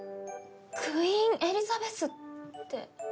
「クイーン・エリザベス」って。